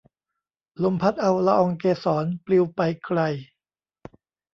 ลมพัดเอาละอองเกสรปลิวไปไกล